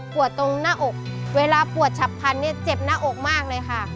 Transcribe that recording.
ตรงหน้าอกเวลาปวดฉับพันธุ์เนี่ยเจ็บหน้าอกมากเลยค่ะ